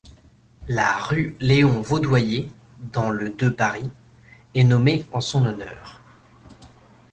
La rue Léon-Vaudoyer, dans le de Paris, est nommé en son honneur.